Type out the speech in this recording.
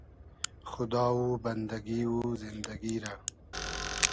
خودا و بئندئگی و زیندئگی رۂ